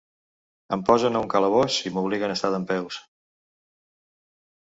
Em posen a un calabós i m’obliguen a estar dempeus.